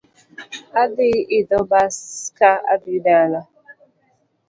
Adhi idho bas ka adhi dala